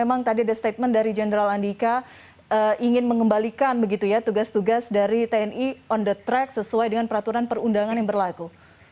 memang tadi ada statement dari jenderal andika ingin mengembalikan begitu ya tugas tugas dari tni on the track sesuai dengan peraturan perundangan yang berlaku